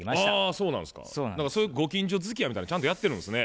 そういうご近所づきあいみたいなのちゃんとやってるんですね。